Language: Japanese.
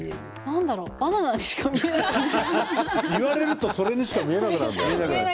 言われるとそれにしか見えなくなるんだよね。